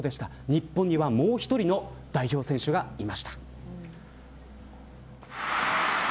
日本にはもう一人の代表選手がいました。